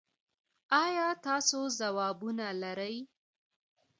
ایا تاسو ځوابونه لرئ؟